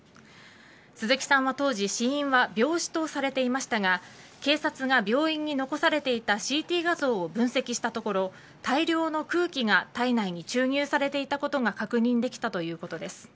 鈴木さんは当時死因は病死とされていましたが警察が病院に残されていたＣＴ画像を分析したところ大量の空気が、体内に注入されていたことが確認できたということです。